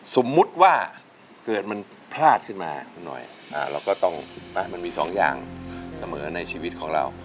สมมุติว่าเกิดมันพลาดขึ้นมาหน่อยมันมี๒อย่างเสมอในชีวิตของเรา